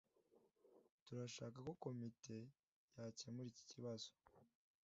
Turashaka ko komite yakemura iki kibazo.